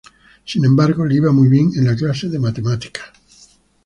Sin embargo, le iba muy bien en la clase de matemática.